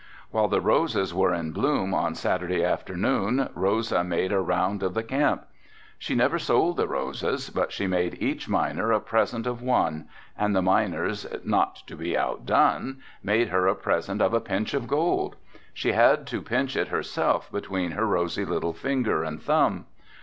While the roses were in bloom on Saturday afternoon Rosa made a round of the camp. She never sold the roses but she made each miner a present of one, and the miners not to be outdone, made her a present of a pinch of gold. She had to pinch it herself between her rosy little finger and thumb.